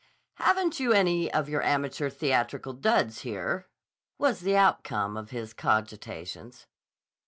"Haven't you any of your amateur theatrical duds here?" was the outcome of his cogitations.